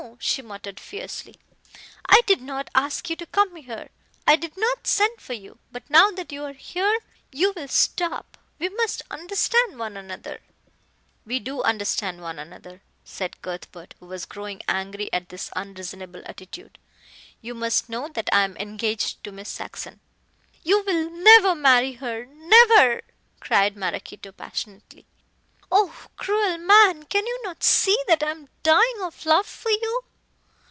she muttered fiercely. "I did not ask you to come here. I did not send for you. But now that you are here, you will stop. We must understand one another." "We do understand one another," said Cuthbert, who was growing angry at this unreasonable attitude. "You must know that I am engaged to Miss Saxon!" "You will never marry her never!" cried Maraquito passionately; "oh, cruel man, can you not see that I am dying of love for you."